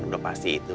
udah pasti itu